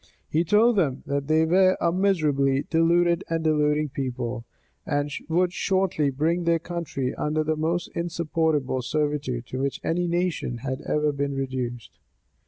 He told them, that they were a miserably deluded and deluding people; and would shortly bring their country under the most insupportable servitude to which any nation had ever been reduced.